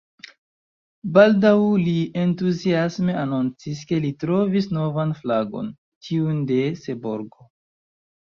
Baldaŭ li entuziasme anoncis, ke li trovis novan flagon: tiun de Seborgo.